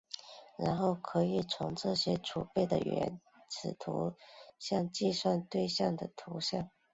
然后可以从这些存储的原始图像计算对象的图像。